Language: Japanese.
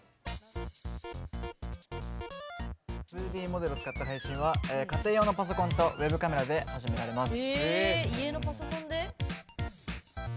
２Ｄモデルを使った配信は家庭用のパソコンとウェブカメラでできます。